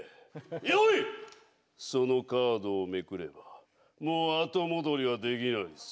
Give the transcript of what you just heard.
そのカードをめくればもう後戻りはできないぞ。